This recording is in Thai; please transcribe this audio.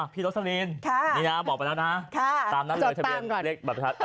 พี่โลศลีนนี่นะบอกไปแล้วนะฮะตามนั้นเลยทะเบียนเลขบรรทัศน์